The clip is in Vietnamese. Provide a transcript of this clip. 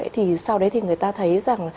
thì sau đấy thì người ta thấy rằng